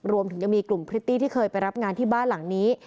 รวมถึงยังมีกลุ่มพริตตี้ที่เคยไปรับงานที่บ้านหลังนี้